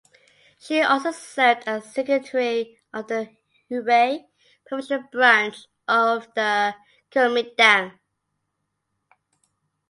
She also served as secretary of the Hubei provincial branch of the Kuomintang.